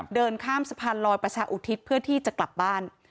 เดินข้ามสะพานลอยประชาอุทิศเพื่อที่จะกลับบ้าน